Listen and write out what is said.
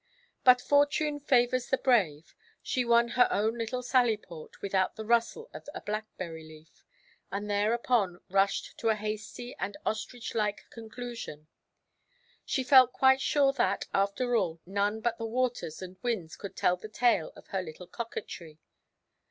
But fortune favours the brave. She won her own little sallyport without the rustle of a blackberry–leaf, and thereupon rushed to a hasty and ostrich–like conclusion. She felt quite sure that, after all, none but the waters and winds could tell the tale of her little coquetry.